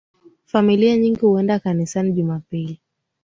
Familia nyingi huenda kanisani jumapili